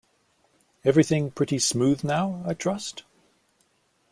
Everything pretty smooth now, I trust?